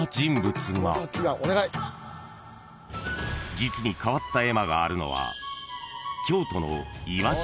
［実に変わった絵馬があるのは］